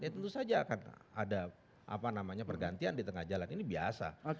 ya tentu saja akan ada pergantian di tengah jalan ini biasa